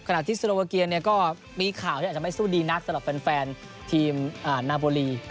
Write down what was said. ขณะที่สโลวาเกียก็มีข่าวที่อาจจะไม่สู้ดีนักสำหรับแฟนทีมนาโบรี